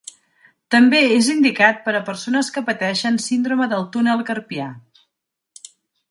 També és indicat per a persones que pateixen síndrome del túnel carpià.